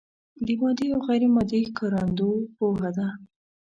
د مادي او غیر مادي ښکارندو پوهه ده.